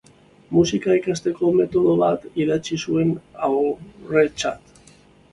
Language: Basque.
Musika ikasteko metodo bat idatzi zuen haurrentzat.